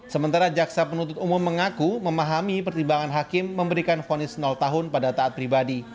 sementara jaksa penuntut umum mengaku memahami pertimbangan hakim memberikan fonis tahun pada taat pribadi